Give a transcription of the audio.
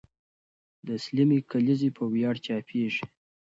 د سلمې کلیزې په ویاړ چاپېږي.